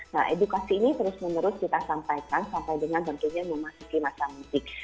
nah edukasi ini terus menerus kita sampaikan sampai dengan tentunya memasuki masa mudik